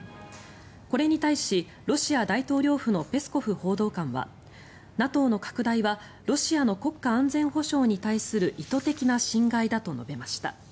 これに対し、ロシア大統領府のペスコフ報道官はＮＡＴＯの拡大はロシアの国家安全保障に対する意図的な侵害だと述べました。